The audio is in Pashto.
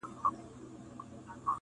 د کابل خلګ د مېلو ډېر شوقيان دي